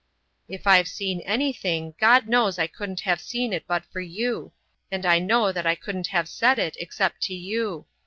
"If I've seen anything, God knows I couldn't have seen it but for you, and I know that I couldn't have said it except to you.